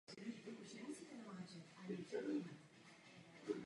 Došlo k zalednění polárních oblastí a poklesu hladiny světového oceánu až o třicet metrů.